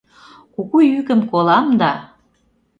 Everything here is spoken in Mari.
Куку йӱкым колам да